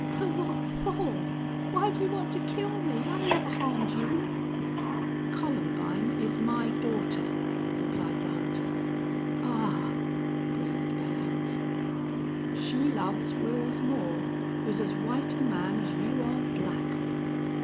"But what for? Why do you want to kill me? I never harmed you." "Columbine is my daughter!" replied the hunter. "Ah!" breathed Belllounds. "She loves Wils Moore, who's as white a man as you are black."